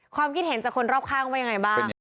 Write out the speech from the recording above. ความคิดเห็นจากคนรอบข้างว่ายังไงบ้าง